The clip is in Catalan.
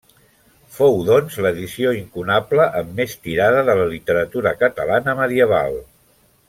Fou doncs l'edició incunable amb més tirada de la literatura catalana medieval.